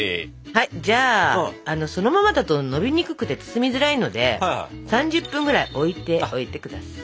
じゃあそのままだとのびにくくて包みづらいので３０分ぐらい置いておいて下さい。